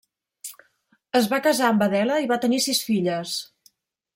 Es va casar amb Adela i va tenir sis filles.